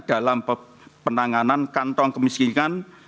dalam penanganan kantong kemiskinan